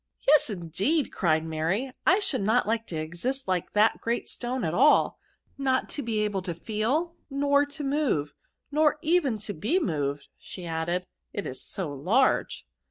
264 Verbs'. Yes, indeed," cried Maiy, " I should not like to exist like that great stone at all ; not to be able to feel, nor to move, nor even to be moved, added she, *' it is so large.